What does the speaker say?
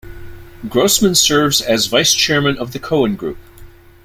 Grossman serves as Vice Chairman of the Cohen Group.